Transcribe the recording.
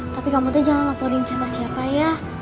tapi kamu teh jangan laporin siapa siapa ya